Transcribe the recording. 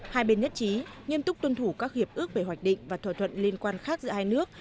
hai bên nhất trí nghiêm túc tuân thủ các hiệp ước về hoạch định và thỏa thuận liên quan khác giữa hai nước